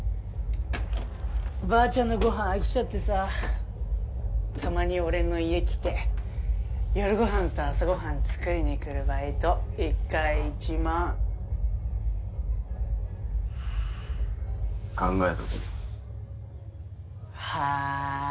ばあちゃんのごはん飽きちゃってさたまに俺の家来て夜ごはんと朝ごはん作りに来るバイト１回１万考えとくはい